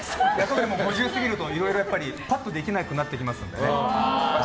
５０過ぎると、いろいろできなくなってきますのでね。